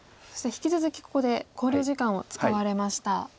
そして引き続きここで考慮時間を使われました。